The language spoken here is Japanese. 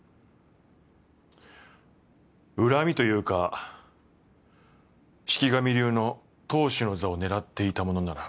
恨みというか四鬼神流の当主の座を狙っていた者なら